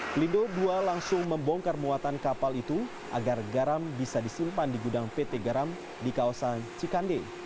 pelindo ii langsung membongkar muatan kapal itu agar garam bisa disimpan di gudang pt garam di kawasan cikande